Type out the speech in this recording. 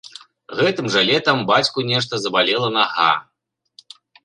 Гэтым жа летам бацьку нешта забалела нага.